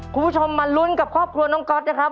คุณผู้ชมมาลุ้นกับครอบครัวน้องก๊อตนะครับ